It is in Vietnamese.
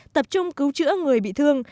tập trung cứu chữa người bị thương